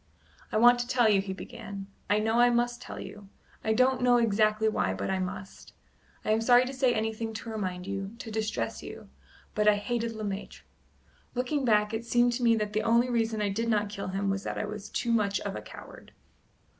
"I want to tell you," he began "I know I must tell you I don't know exactly why, but I must I am sorry to say anything to remind you to distress you but I hated Le Maître! Looking back, it seems to me that the only reason I did not kill him was that I was too much of a coward."